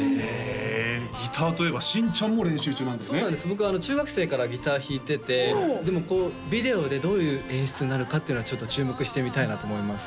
僕中学生からギター弾いててでもこうビデオでどういう演出になるかっていうのはちょっと注目して見たいなと思います